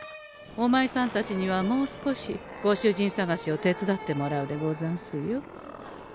おまいさんたちにはもう少しご主人さがしを手伝ってもらうでござんすよ。